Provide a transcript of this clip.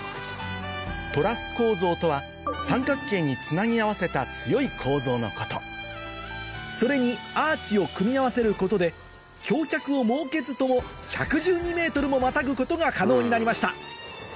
トラス構造とは三角形につなぎ合わせた強い構造のことそれにアーチを組み合わせることで橋脚を設けずとも１１２ｍもまたぐことが可能になりました